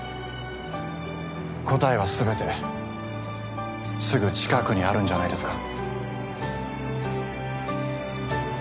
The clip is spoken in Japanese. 答えは全てすぐ近くにあるんじゃないですか？